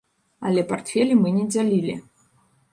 Але партфелі мы не дзялілі.